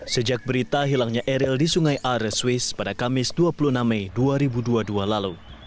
sejak berita hilangnya eril di sungai are swiss pada kamis dua puluh enam mei dua ribu dua puluh dua lalu